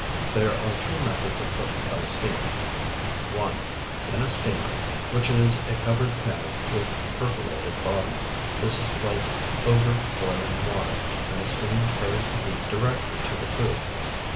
There are two methods of cooking by steam: (1) In a steamer, which is a covered pan, with perforated bottom. This is placed over boiling water, and the steam carries the heat directly to the food.